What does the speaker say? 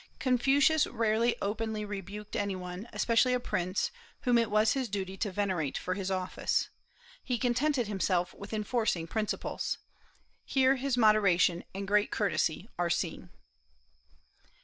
Confucius rarely openly rebuked any one, especially a prince, whom it was his duty to venerate for his office. He contented himself with enforcing principles. Here his moderation and great courtesy are seen.